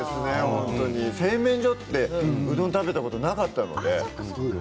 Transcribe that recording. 製麺所でうどんを食べたことがなかったので。